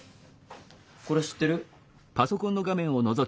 これ知ってる？